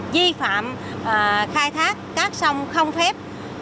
di phạm khai thác các sông không phép